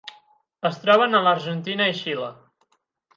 Es troben a l'Argentina i Xile.